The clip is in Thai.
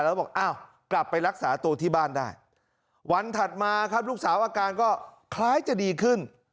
แล้วบอกอ้าวกลับไปรักษาตัวที่บ้านได้วันถัดมาครับลูกสาวอาการก็คล้ายจะดีขึ้น